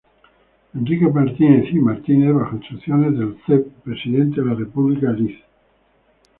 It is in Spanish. Enrique Martínez y Martínez bajo instrucciones del C. Presidente de la República Lic.